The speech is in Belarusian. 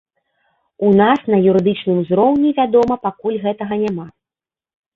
У нас на юрыдычным узроўні, вядома, пакуль гэтага няма.